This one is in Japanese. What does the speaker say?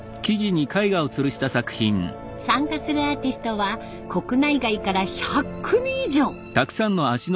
参加するアーティストは国内外から１００組以上。